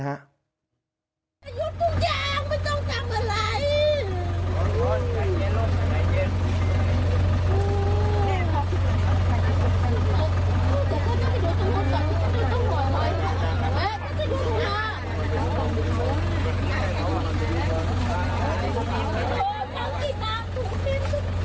โอ้โฮทั้งที่ตามถูกทิ้ง